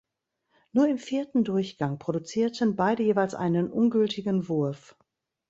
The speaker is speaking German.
Nur im vierten Durchgang produzierten beide jeweils einen ungültigen Wurf.